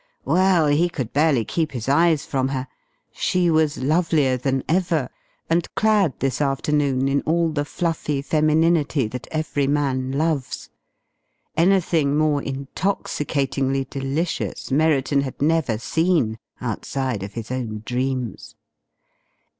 Well, he could barely keep his eyes from her. She was lovelier than ever, and clad this afternoon in all the fluffy femininity that every man loves. Anything more intoxicatingly delicious Merriton had never seen outside of his own dreams.